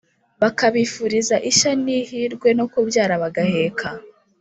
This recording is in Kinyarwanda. bakabifuriza ishya n ihirwe no kubyara bagaheka.